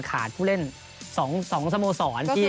ขาดผู้เล่น๒สโมสรที่จัดการวันนี้